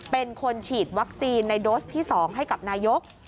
เป็นคนฉีดวัคซีนในโดสที่๒ให้กับนายก